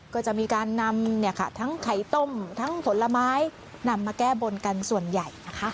ก็จะมีการนำทั้งไข่ต้มทั้งผลไม้นำมาแก้บนกันส่วนใหญ่นะคะ